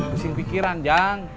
pusing pikiran ujang